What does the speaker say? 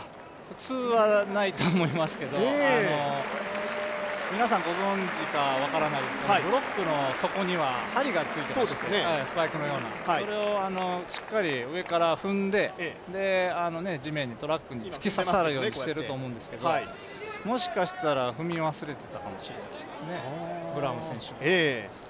普通はないと思いますけれども、皆さんご存じか分からないですがブロックの底にはスパイクのような針がついていましてそれをしっかり上から踏んで、地面に、トラックに突き刺さるようにしているんですけれども、もしかしたら踏み忘れていたかもしれないですね、ブラウン選手が。